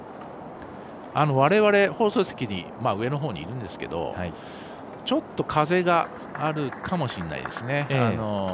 われわれ放送席上のほうにいるんですけどちょっと風があるかもしれないですね。